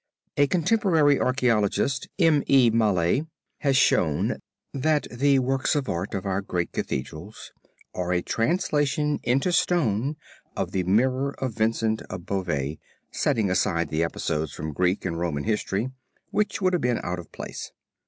A contemporary archaeologist, M. E. Male, has shown that the works of art of our great cathedrals are a translation into stone of the Mirror of Vincent of Beauvais, setting aside the episodes from Greek and Roman History, which would have been out of place.